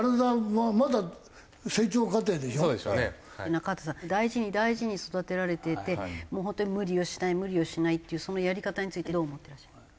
中畑さん大事に大事に育てられていてもう本当に無理をしない無理をしないっていうそのやり方についてどう思ってらっしゃいます？